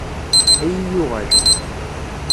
Ad yi-yuɣal.